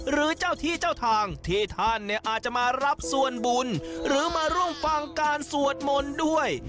หรือเจ้าที่เจ้าทางที่ท่านเนี่ยอาจจะมารับส่วนบุญหรือมาร่วมฟังการสวดมนต์ด้วย